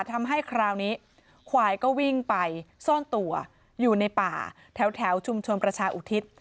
ทำให้คราวนี้ควายก็วิ่งไปซ่อนตัวอยู่ในป่าแถวชุมชนประชาอุทิศ